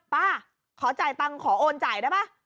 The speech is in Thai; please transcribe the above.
ป้าขอจ่ายตังค์ขอโอนจ่ายได้ป่ะ